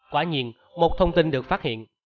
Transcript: quả nhiên một thông tin được phát hiện